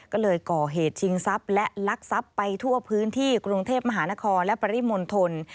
ก็เลยก่อเหตุชิงทรัพย์และลักทรัพย์ไปทั่วพื้นที่กรุงเทพมหานครและปริมณฑล